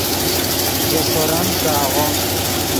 ژے سورن کہ آغوم